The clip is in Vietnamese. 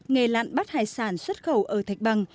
nghe lạn bắt hải sản xuất khẩu ở thạch bằng